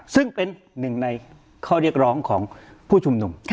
ซึ่งเป็นหนึ่งในข้อเรียกร้องของผู้ชุมนุม